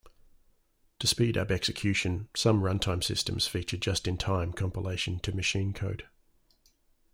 To speed up execution, some runtime systems feature just-in-time compilation to machine code.